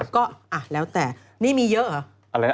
ก็แล้วแต่นี่มีเยอะเหรอ